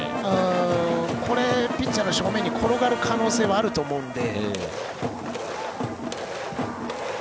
これがピッチャーの正面に転がる可能性があると思うので。